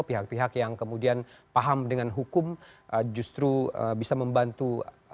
pihak pihak yang kemudian paham dengan hukum justru bisa membantu